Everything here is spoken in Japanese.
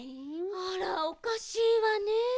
あらおかしいわね。